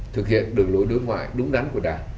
thực hiện đường lối đối ngoại đúng đắn của đảng